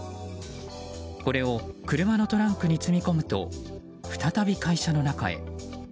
これを車のトランクに積み込むと再び会社の中へ。